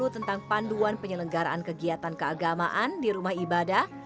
tentang panduan penyelenggaraan kegiatan keagamaan di rumah ibadah